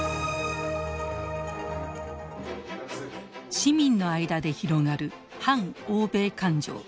市民の間で広がる反欧米感情。